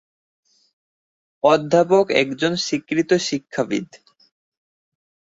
অধ্যাপক একজন স্বীকৃত শিক্ষাবিদ।